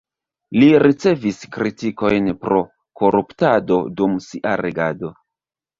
Li ricevis kritikojn pro koruptado dum sia regado.